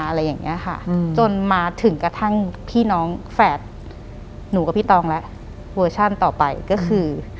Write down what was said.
หลังจากนั้นเราไม่ได้คุยกันนะคะเดินเข้าบ้านอืม